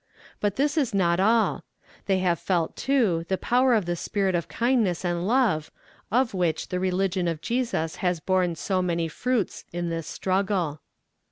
But this is not all. They have felt, too, the power of the spirit of kindness and love, of which the religion of Jesus has borne so many fruits in this struggle.